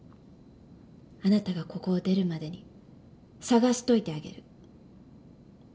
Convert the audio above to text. あなたがここを出るまでに探しといてあげる